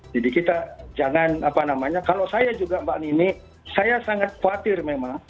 jadi kita jangan apa namanya kalau saya juga mbak nini saya sangat khawatir memang